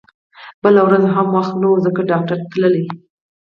بله ورځ هم وخت نه و ځکه ډاکټر ته تلل